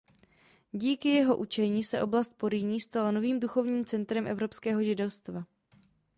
Díky jeho učení se oblast Porýní stala novým duchovním centrem evropského židovstva.